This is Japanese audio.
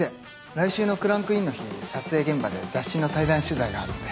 来週のクランクインの日撮影現場で雑誌の対談取材があるんで。